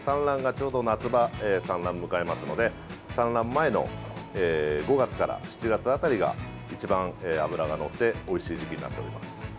ちょうど夏場に産卵を迎えますので産卵前の５月から７月辺りが一番脂がのっておいしい時期になっております。